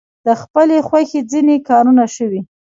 د خپلې خوښې ځینې کارونه شوي.